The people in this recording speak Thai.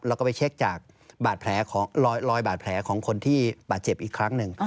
แล้วก็ไปเช็คจากรอยบาดแผลของคนที่บาดเจ็บอีกครั้งหนึ่ง